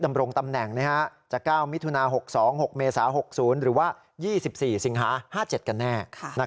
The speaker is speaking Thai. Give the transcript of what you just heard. ดำรงตำแหน่งจะ๙มิถุนา๖๒๖เมษา๖๐หรือว่า๒๔สิงหา๕๗กันแน่